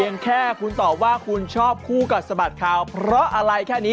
ยังแค่คุณตอบว่าคุณชอบคู่กัดสะบัดข่าวเพราะอะไรแค่นี้